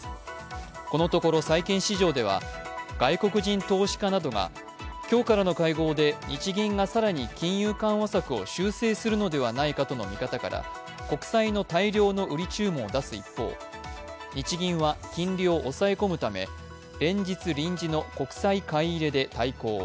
このところ債券市場では外国人投資家などが今日からの会合で日銀が更に金融緩和策を修正するのではないかとの見方から国債の大量の売り注文を出す一方日銀は金利を抑え込むため連日臨時の国債買い入れで対抗。